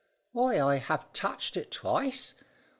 "Why, I have touched it twice.